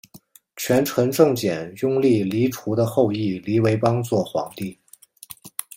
权臣郑检拥立黎除的后裔黎维邦做皇帝。